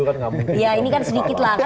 nggak mungkin ya ini kan sedikit lah